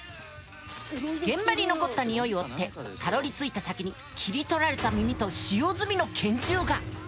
現場に残った匂いを追ってたどりついた先に切り取られた耳と使用済みの拳銃が！